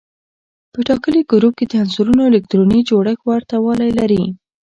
په ټاکلي ګروپ کې د عنصرونو الکتروني جوړښت ورته والی لري.